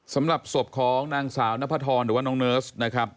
สำหรับศพของนางสาวนพธรหรือว่าน้องเนิร์สนะครับ